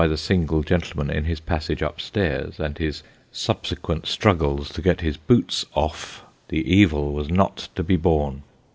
33 the single gentleman in his passage up stairs, and his subsequent struggles to get his boots off, the evil was not to be borne.